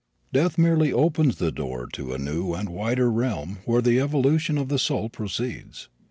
Death merely opens the door to a new and wider realm where the evolution of the soul proceeds.